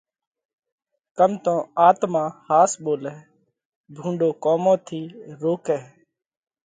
ڪم تو آتما ۿاس ٻولئھ، ڀُونڏون ڪومون ٿِي روڪئھ،